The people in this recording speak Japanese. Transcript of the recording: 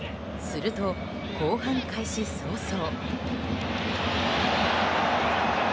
すると、後半開始早々。